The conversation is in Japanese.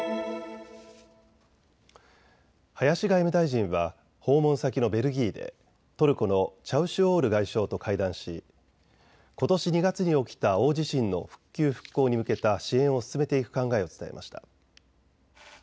林外務大臣は訪問先のベルギーでトルコのチャウシュオール外相と会談しことし２月に起きた大地震の復旧・復興に向けた支援を進めていく考えを伝えました。